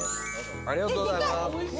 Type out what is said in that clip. ありがとうございます。